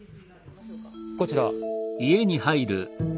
こちら。